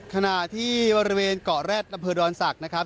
ขณะที่บริเวณเกาะแร็ดอำเภอดอนศักดิ์นะครับ